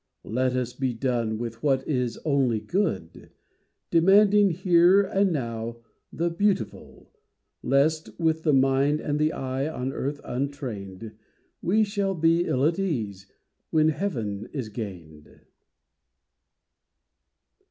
Let us be done with what is only good, Demanding here and now the beautiful; Lest, with the mind and eye on earth untrained, We shall be ill at ease when heaven is gained.